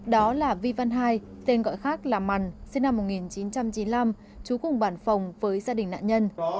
đó là vi văn hai tên gọi khác là mằn sinh năm một nghìn chín trăm chín mươi năm trú cùng bản phòng với gia đình nạn nhân